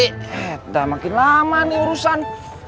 sudah makin lama nih urusan